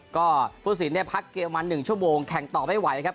ก็ผู้สินเนี่ยพักเกมมา๑ชั่วโมงแข่งต่อไม่ไหวครับ